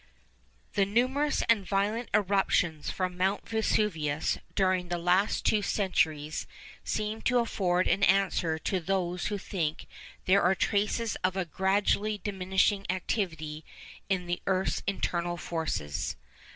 _ The numerous and violent eruptions from Mount Vesuvius during the two last centuries seem to afford an answer to those who think there are traces of a gradually diminishing activity in the earth's internal forces.